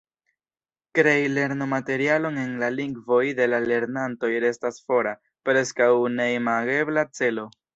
Krei lernomaterialon en la lingvoj de la lernantoj restas fora, preskaŭ neimagebla celo.